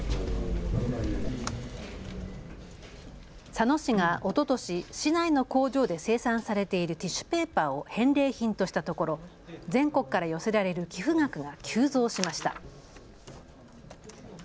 佐野市がおととし市内の工場で生産されているティッシュペーパーを返礼品としたところ、全国から寄せられる寄付額が急増しました。